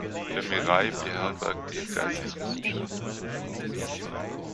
Le Mirail beherbergt die Geisteswissenschaften.